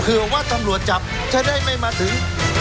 เผื่อว่าท่ำหลวงจับจะได้ไม่มาถึง